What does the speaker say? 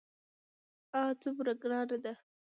آه څومره ګرانه ده.